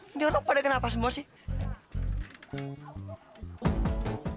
ini orang pada kenapa semua sih